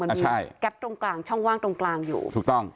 มันใช่แก๊ปตรงกลางช่องว่างตรงกลางอยู่ถูกต้อง